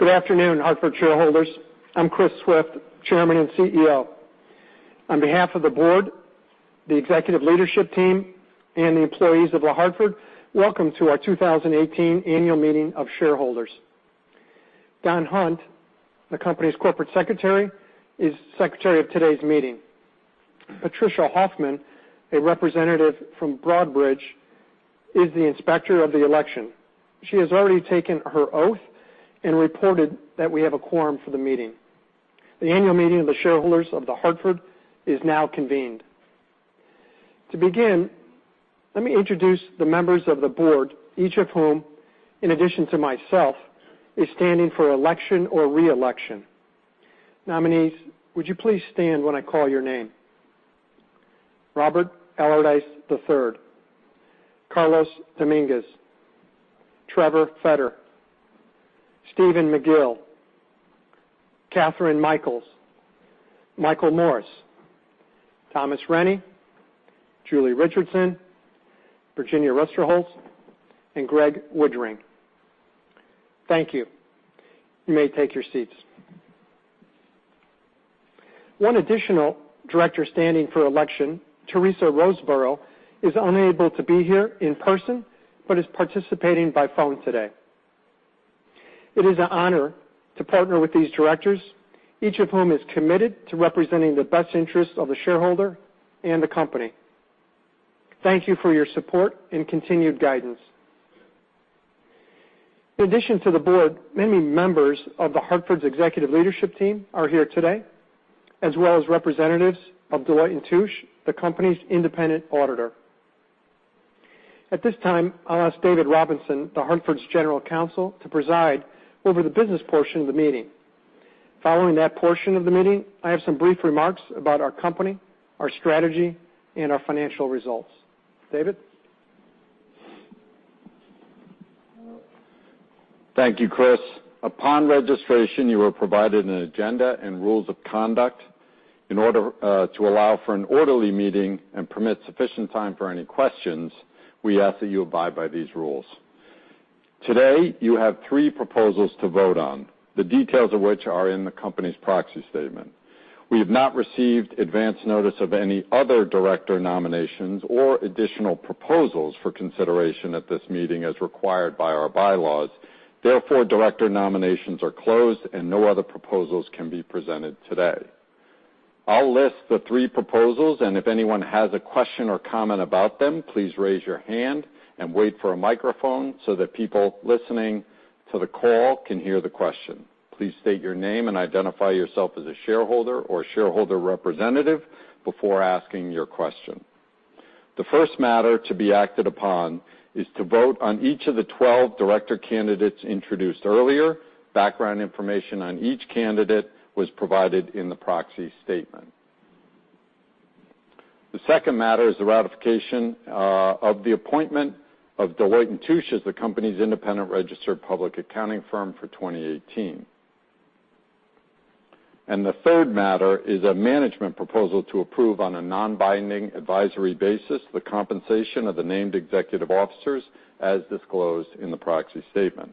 Good afternoon, The Hartford shareholders. I'm Chris Swift, Chairman and CEO. On behalf of the board, the executive leadership team, and the employees of The Hartford, welcome to our 2018 annual meeting of shareholders. Don Hunt, the company's Corporate Secretary, is secretary of today's meeting. Patricia Hoffman, a representative from Broadridge, is the inspector of the election. She has already taken her oath and reported that we have a quorum for the meeting. The annual meeting of the shareholders of The Hartford is now convened. To begin, let me introduce the members of the board, each of whom, in addition to myself, is standing for election or re-election. Nominees, would you please stand when I call your name? Robert Allardice III, Carlos Dominguez, Trevor Fetter, Steve McGill, Kathryn Mikells, Michael Morris, Thomas Renyi, Julie Richardson, Virginia Ruesterholz, and Greig Woodring. Thank you. You may take your seats. One additional director standing for election, Teresa Roseborough, is unable to be here in person, but is participating by phone today. It is an honor to partner with these directors, each of whom is committed to representing the best interest of the shareholder and the company. Thank you for your support and continued guidance. In addition to the board, many members of The Hartford's executive leadership team are here today, as well as representatives of Deloitte & Touche, the company's independent auditor. At this time, I'll ask David Robinson, The Hartford's General Counsel, to preside over the business portion of the meeting. Following that portion of the meeting, I have some brief remarks about our company, our strategy, and our financial results. David? Thank you, Chris. Upon registration, you were provided an agenda and rules of conduct. In order to allow for an orderly meeting and permit sufficient time for any questions, we ask that you abide by these rules. Today, you have three proposals to vote on, the details of which are in the company's proxy statement. We have not received advance notice of any other director nominations or additional proposals for consideration at this meeting, as required by our bylaws. Director nominations are closed, no other proposals can be presented today. I'll list the three proposals, if anyone has a question or comment about them, please raise your hand and wait for a microphone so that people listening to the call can hear the question. Please state your name and identify yourself as a shareholder or shareholder representative before asking your question. The first matter to be acted upon is to vote on each of the 12 director candidates introduced earlier. Background information on each candidate was provided in the proxy statement. The second matter is the ratification of the appointment of Deloitte & Touche as the company's independent registered public accounting firm for 2018. The third matter is a management proposal to approve on a non-binding advisory basis the compensation of the named executive officers as disclosed in the proxy statement.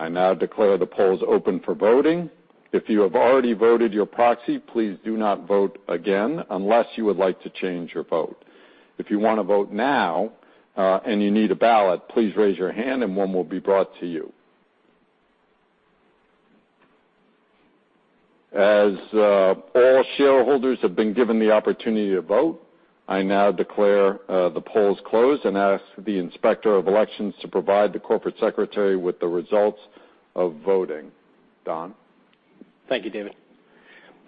I now declare the polls open for voting. If you have already voted your proxy, please do not vote again unless you would like to change your vote. If you want to vote now, you need a ballot, please raise your hand and one will be brought to you. As all shareholders have been given the opportunity to vote, I now declare the polls closed and ask the Inspector of Elections to provide the Corporate Secretary with the results of voting. Don? Thank you, David.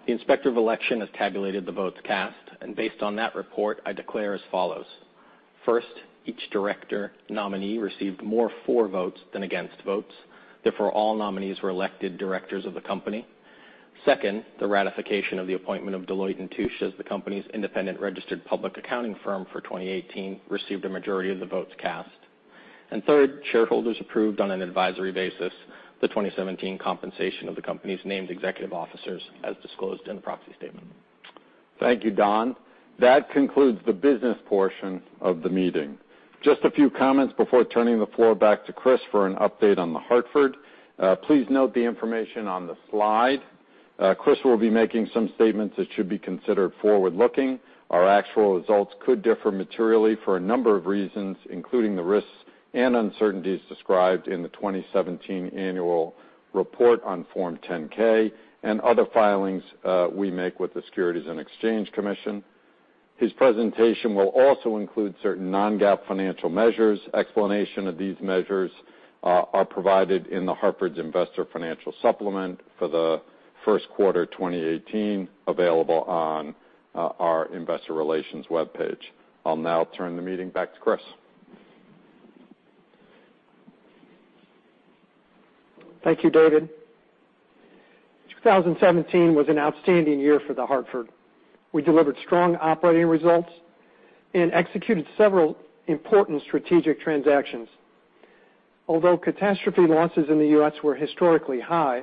The Inspector of Election has tabulated the votes cast, and based on that report, I declare as follows. First, each director nominee received more for votes than against votes. Therefore, all nominees were elected directors of the company. Second, the ratification of the appointment of Deloitte & Touche as the company's independent registered public accounting firm for 2018 received a majority of the votes cast. Third, shareholders approved on an advisory basis the 2017 compensation of the company's named executive officers as disclosed in the proxy statement. Thank you, Don. That concludes the business portion of the meeting. Just a few comments before turning the floor back to Chris for an update on The Hartford. Please note the information on the slide. Chris will be making some statements that should be considered forward-looking. Our actual results could differ materially for a number of reasons, including the risks and uncertainties described in the 2017 annual report on Form 10-K and other filings we make with the Securities and Exchange Commission. His presentation will also include certain non-GAAP financial measures. Explanation of these measures are provided in The Hartford's Investor Financial Supplement for the first quarter 2018, available on our investor relations webpage. I'll now turn the meeting back to Chris. Thank you, David. 2017 was an outstanding year for The Hartford. We delivered strong operating results and executed several important strategic transactions. Although catastrophe losses in the U.S. were historically high,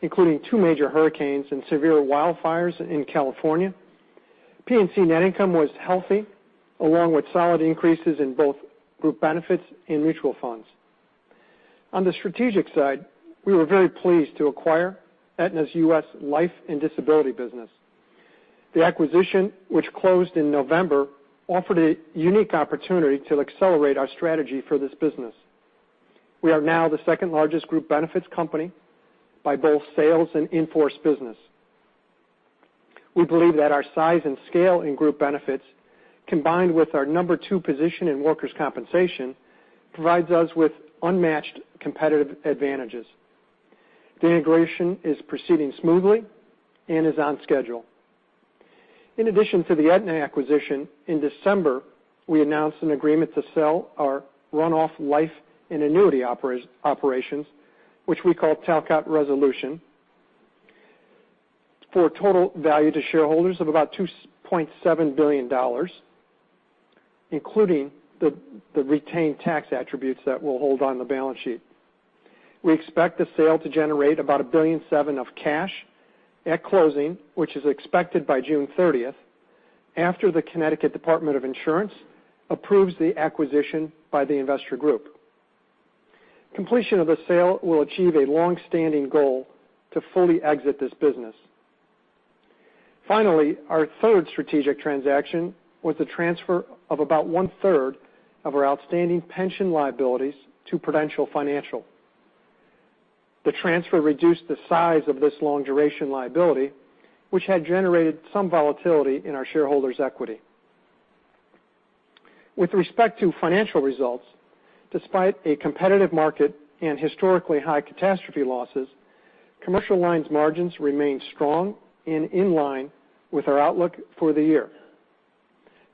including two major hurricanes and severe wildfires in California, P&C net income was healthy, along with solid increases in both Group Benefits and Mutual Funds. On the strategic side, we were very pleased to acquire Aetna's U.S. life and disability business. The acquisition, which closed in November, offered a unique opportunity to accelerate our strategy for this business. We are now the second-largest Group Benefits company by both sales and in-force business. We believe that our size and scale in Group Benefits, combined with our number two position in workers' compensation, provides us with unmatched competitive advantages. The integration is proceeding smoothly and is on schedule. In addition to the Aetna acquisition, in December, we announced an agreement to sell our runoff life and annuity operations, which we call Talcott Resolution, for a total value to shareholders of about $2.7 billion, including the retained tax attributes that we'll hold on the balance sheet. We expect the sale to generate about $1.7 billion of cash at closing, which is expected by June 30th, after the Connecticut Insurance Department approves the acquisition by the investor group. Completion of the sale will achieve a long-standing goal to fully exit this business. Finally, our third strategic transaction was the transfer of about one-third of our outstanding pension liabilities to Prudential Financial. The transfer reduced the size of this long-duration liability, which had generated some volatility in our shareholders' equity. With respect to financial results, despite a competitive market and historically high catastrophe losses, Commercial Lines margins remain strong and in line with our outlook for the year.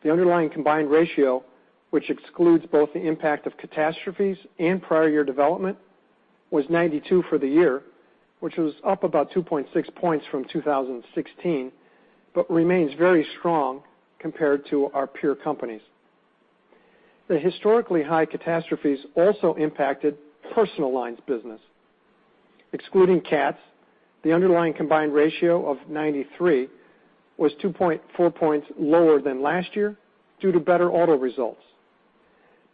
The underlying combined ratio, which excludes both the impact of catastrophes and prior year development, was 92 for the year, which was up about 2.6 points from 2016, but remains very strong compared to our peer companies. The historically high catastrophes also impacted Personal Lines business. Excluding cats, the underlying combined ratio of 93 was 2.4 points lower than last year due to better auto results.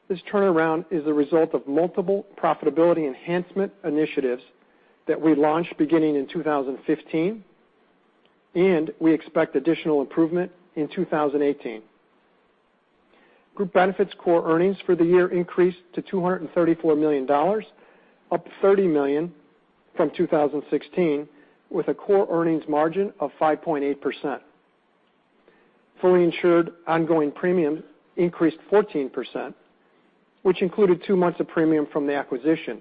This turnaround is a result of multiple profitability enhancement initiatives that we launched beginning in 2015. We expect additional improvement in 2018. Group Benefits core earnings for the year increased to $234 million, up $30 million from 2016, with a core earnings margin of 5.8%. Fully insured ongoing premiums increased 14%, which included two months of premium from the acquisition.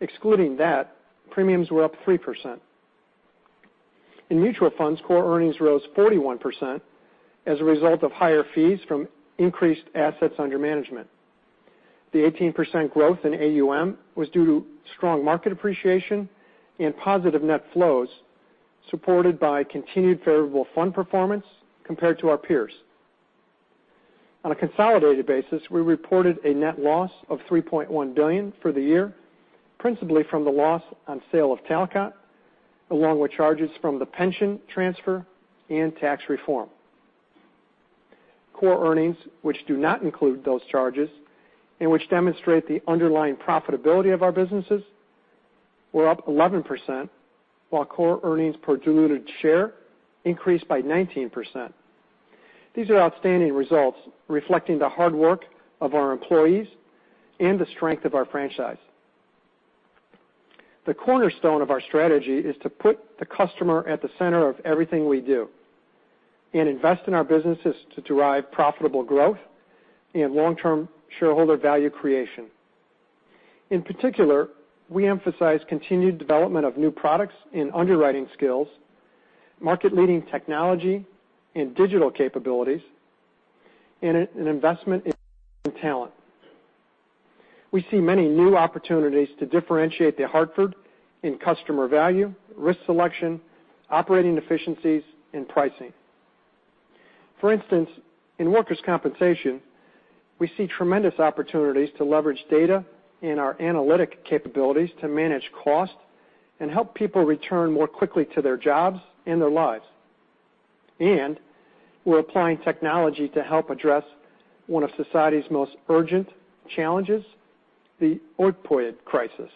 Excluding that, premiums were up 3%. In Mutual Funds, core earnings rose 41% as a result of higher fees from increased assets under management. The 18% growth in AUM was due to strong market appreciation and positive net flows, supported by continued favorable fund performance compared to our peers. On a consolidated basis, we reported a net loss of $3.1 billion for the year, principally from the loss on sale of Talcott, along with charges from the pension transfer and Tax Reform. Core earnings, which do not include those charges and which demonstrate the underlying profitability of our businesses, were up 11%, while core earnings per diluted share increased by 19%. These are outstanding results reflecting the hard work of our employees and the strength of our franchise. The cornerstone of our strategy is to put the customer at the center of everything we do. We invest in our businesses to derive profitable growth and long-term shareholder value creation. In particular, we emphasize continued development of new products in underwriting skills, market leading technology in digital capabilities, an investment in talent. We see many new opportunities to differentiate The Hartford in customer value, risk selection, operating efficiencies, and pricing. For instance, in workers' compensation, we see tremendous opportunities to leverage data and our analytic capabilities to manage cost and help people return more quickly to their jobs and their lives. We're applying technology to help address one of society's most urgent challenges, the opioid crisis.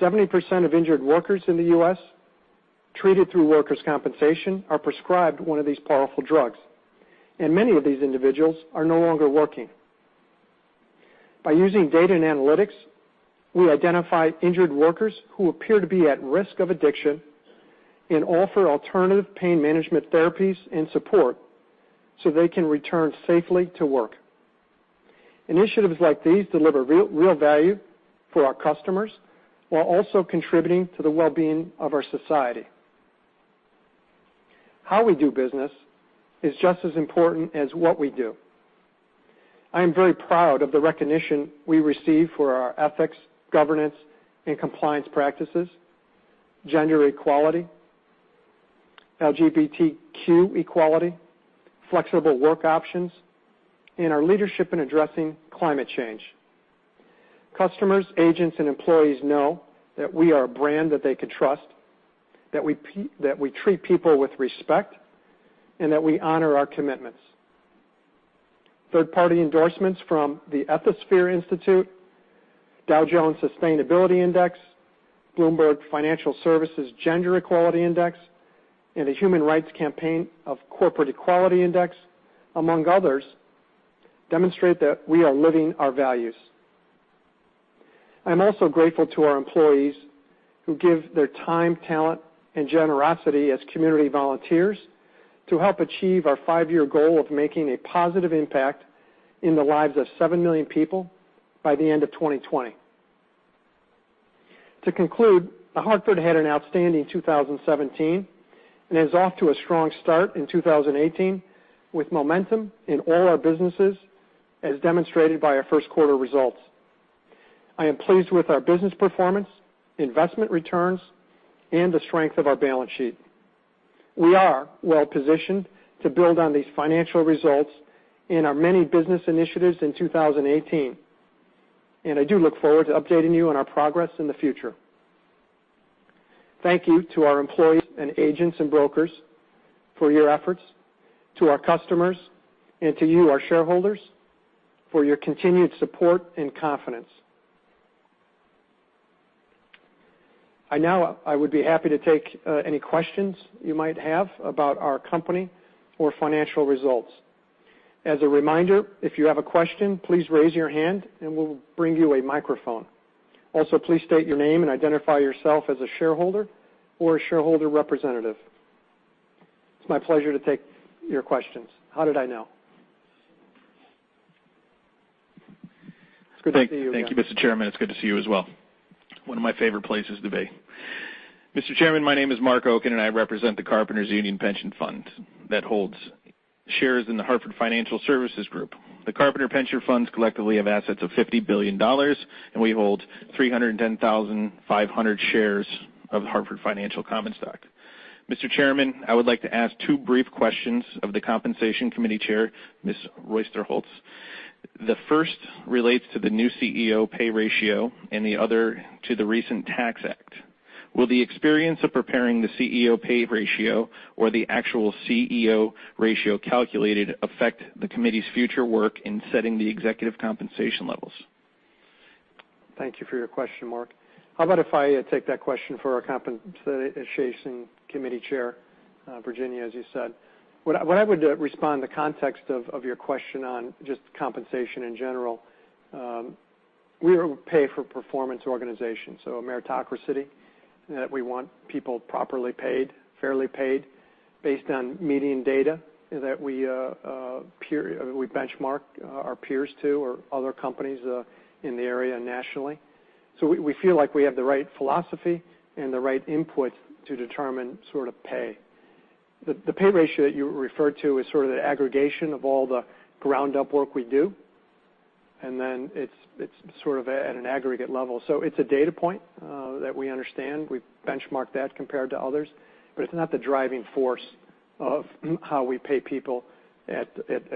70% of injured workers in the U.S. treated through workers' compensation are prescribed one of these powerful drugs, and many of these individuals are no longer working. By using data and analytics, we identify injured workers who appear to be at risk of addiction and offer alternative pain management therapies and support so they can return safely to work. Initiatives like these deliver real value for our customers while also contributing to the well-being of our society. How we do business is just as important as what we do. I am very proud of the recognition we receive for our ethics, governance, and compliance practices, gender equality, LGBTQ equality, flexible work options, and our leadership in addressing climate change. Customers, agents, and employees know that we are a brand that they can trust, that we treat people with respect, and that we honor our commitments. Third-party endorsements from the Ethisphere Institute, Dow Jones Sustainability Index, Bloomberg Financial Services Gender-Equality Index, and the Human Rights Campaign Corporate Equality Index, among others, demonstrate that we are living our values. I'm also grateful to our employees who give their time, talent and generosity as community volunteers to help achieve our five-year goal of making a positive impact in the lives of seven million people by the end of 2020. To conclude, The Hartford had an outstanding 2017 and is off to a strong start in 2018 with momentum in all our businesses, as demonstrated by our first quarter results. I am pleased with our business performance, investment returns, and the strength of our balance sheet. We are well positioned to build on these financial results in our many business initiatives in 2018. I do look forward to updating you on our progress in the future. Thank you to our employees and agents and brokers for your efforts, to our customers, and to you, our shareholders, for your continued support and confidence. I would be happy to take any questions you might have about our company or financial results. As a reminder, if you have a question, please raise your hand and we'll bring you a microphone. Also, please state your name and identify yourself as a shareholder or a shareholder representative. It's my pleasure to take your questions. How did I know? It's good to see you again. Thank you, Mr. Chairman. It's good to see you as well. One of my favorite places to be. Mr. Chairman, my name is Marc Okun, and I represent the Carpenters Pension Fund that holds shares in The Hartford Financial Services Group. The Carpenters Pension Funds collectively have assets of $50 billion, and we hold 310,500 shares of The Hartford Financial common stock. Mr. Chairman, I would like to ask two brief questions of the Compensation Committee Chair, Ms. Ruesterholz. The first relates to the new CEO pay ratio and the other to the recent Tax Act. Will the experience of preparing the CEO pay ratio or the actual CEO ratio calculated affect the committee's future work in setting the executive compensation levels? Thank you for your question, Marc. How about if I take that question for our Compensation Committee Chair, Virginia, as you said. What I would respond the context of your question on just compensation in general, we are a pay-for-performance organization, a meritocracy, that we want people properly paid, fairly paid based on median data that we benchmark our peers to or other companies in the area nationally. We feel like we have the right philosophy and the right input to determine pay. The pay ratio that you referred to is sort of the aggregation of all the ground-up work we do, and then it's at an aggregate level. It's a data point that we understand. We benchmark that compared to others, but it's not the driving force of how we pay people at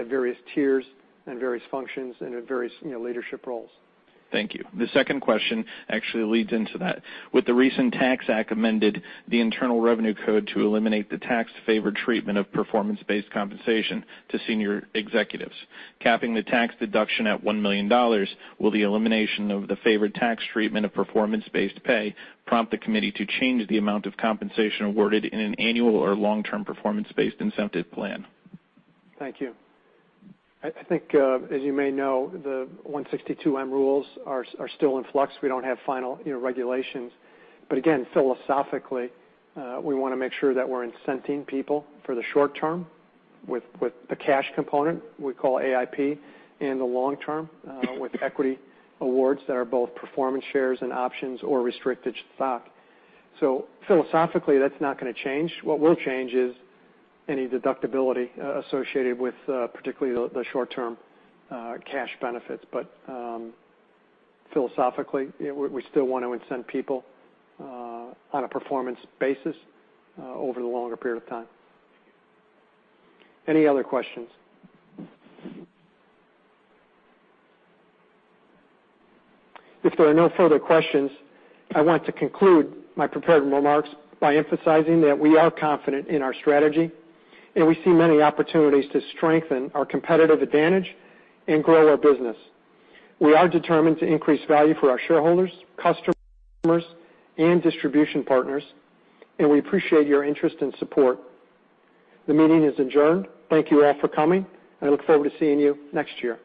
various tiers and various functions and at various leadership roles. Thank you. The second question actually leads into that. With the recent Tax Act amended the Internal Revenue Code to eliminate the tax-favored treatment of performance-based compensation to senior executives, capping the tax deduction at $1 million, will the elimination of the favored tax treatment of performance-based pay prompt the committee to change the amount of compensation awarded in an annual or long-term performance-based incentive plan? Thank you. I think, as you may know, the 162 rules are still in flux. We don't have final regulations. Philosophically, we want to make sure that we're incenting people for the short term with the cash component we call AIP, and the long term with equity awards that are both performance shares and options or restricted stock. Philosophically, that's not going to change. What will change is any deductibility associated with particularly the short-term cash benefits. Philosophically, we still want to incent people on a performance basis over the longer period of time. Any other questions? If there are no further questions, I want to conclude my prepared remarks by emphasizing that we are confident in our strategy, and we see many opportunities to strengthen our competitive advantage and grow our business. We are determined to increase value for our shareholders, customers, and distribution partners, we appreciate your interest and support. The meeting is adjourned. Thank you all for coming. I look forward to seeing you next year.